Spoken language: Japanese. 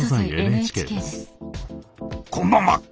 こんばんは。